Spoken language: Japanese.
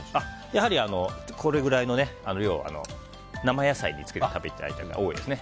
やはりこれぐらいの要は生野菜につけて食べる方が多いですね。